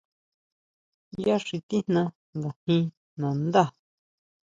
Ya xi tijna nga jin nandá.